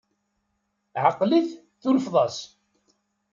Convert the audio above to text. Ɛqel-it tunfeḍ-as!